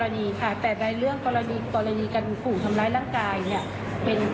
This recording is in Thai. คู่กรณีค่ะแต่ในเรื่องกรณีการผู้ทำร้ายร่างกายเนี่ย